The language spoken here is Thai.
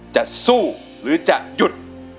จะสู้หรือจะหยุด